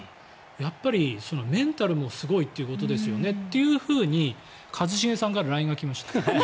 やっぱりメンタルもすごいということですよねというふうに一茂さんからＬＩＮＥが来ました。